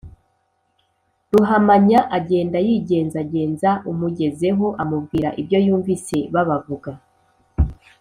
ruhamanya agenda yigenzagenza amugezeho amubwira ibyo yumvise babavuga